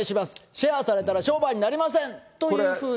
シェアされたら商売になりませんというふうな。